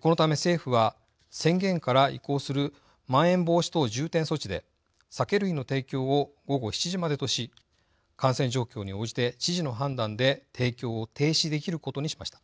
このため政府は宣言から移行するまん延防止等重点措置で酒類の提供を午後７時までとし感染状況に応じて知事の判断で提供を停止できることにしました。